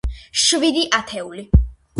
შვიდი ათეული.